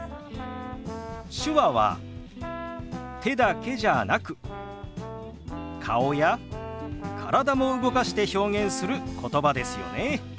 手話は手だけじゃなく顔や体も動かして表現することばですよね。